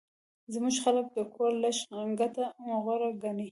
زموږ خلک د کور لږه ګټه غوره ګڼي